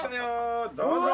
どうぞ。